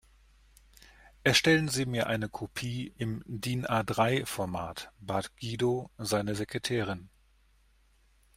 "Erstellen Sie mir eine Kopie im DIN-A-drei Format", bat Guido seine Sekretärin.